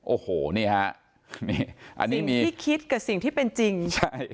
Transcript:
โอ้โหนี่ฮะนี่อันนี้มีที่คิดกับสิ่งที่เป็นจริงใช่